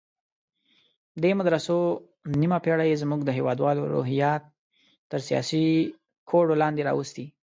دې مدرسو نیمه پېړۍ زموږ د هېوادوالو روحیات تر سیاسي کوډو لاندې راوستي.